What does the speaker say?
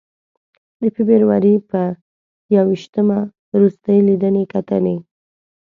د فبروري په ی ویشتمه روستۍ لیدنې کتنې.